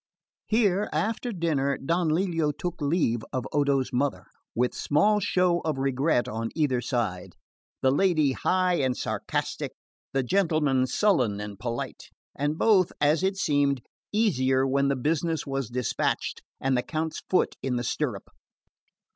Here, after dinner, Don Lelio took leave of Odo's mother, with small show of regret on either side; the lady high and sarcastic, the gentleman sullen and polite; and both, as it seemed, easier when the business was despatched and the Count's foot in the stirrup.